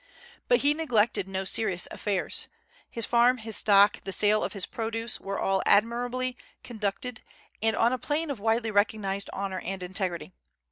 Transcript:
But he neglected no serious affairs; his farm, his stock, the sale of his produce, were all admirably conducted and on a plane of widely recognized honor and integrity.